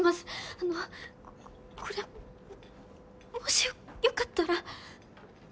あのここれもしよかったら。